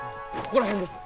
ここら辺です！